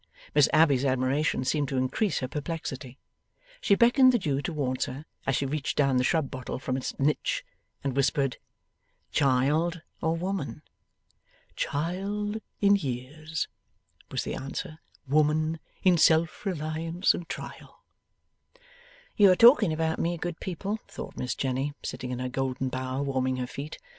Miss Abbey's admiration seemed to increase her perplexity. She beckoned the Jew towards her, as she reached down the shrub bottle from its niche, and whispered: 'Child, or woman?' 'Child in years,' was the answer; 'woman in self reliance and trial.' 'You are talking about Me, good people,' thought Miss Jenny, sitting in her golden bower, warming her feet.